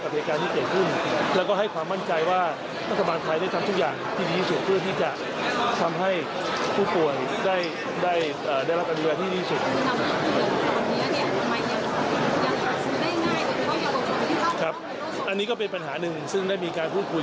เราต้องมีการทำให้รักกลุ่มขึ้นในการที่เยาวชนจะสามารถเข้าถึงอาวุธที่อันตรายตรงนี้ได้